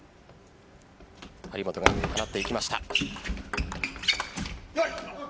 張本が放っていきました。